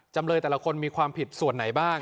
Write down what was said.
จำเลยแต่ละคนมีความผิดส่วนไหนบ้าง